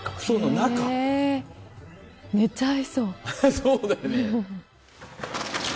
そうだよね。